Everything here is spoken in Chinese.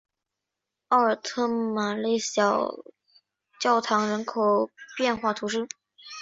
奥尔特马勒小教堂人口变化图示